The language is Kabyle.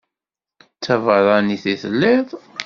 D tabeṛṛanit i telliḍ?